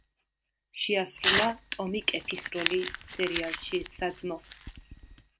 შეასრულა ტომი კეფის როლი სერიალში „საძმო“.